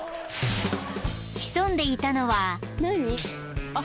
［潜んでいたのは］